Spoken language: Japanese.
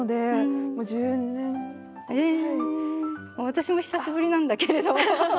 私も久しぶりなんだけれど。